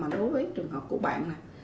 đối với trường hợp của bạn